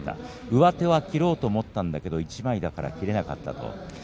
上手を切ろうと思ったんだが一枚だから切れなかった。